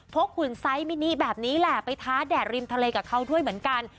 กหุ่นไซส์มินิแบบนี้แหละไปท้าแดดริมทะเลกับเขาด้วยเหมือนกัน